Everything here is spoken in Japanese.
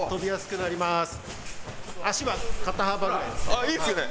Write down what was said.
あっいいですね！